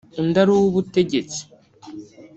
undi ari uw’ubutegetsi